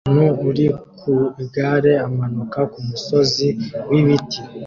Umuntu uri ku igare amanuka kumusozi wibiti